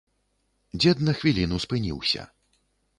Дзед на хвіліну спыніўся.